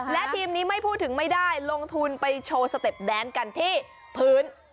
และทีมนี้ไม่พูดถึงไม่ได้ลงทุนไปโชว์สเต็ปแดนกันที่พื้น